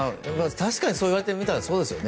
確かに、そういわれてみたらそうですよね。